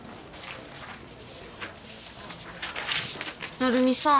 成海さん。